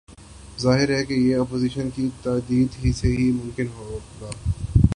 ظاہر ہے کہ یہ اپوزیشن کی تائید ہی سے ممکن ہو گا۔